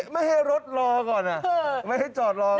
ไม่ให้รถรอก่อนนะไม่ได้จอดรอก่อน